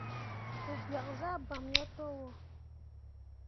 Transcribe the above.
Ru biak zah bamme yo towo.